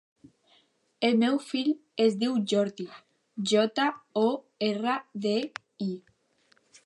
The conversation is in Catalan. El meu fill es diu Jordi: jota, o, erra, de, i.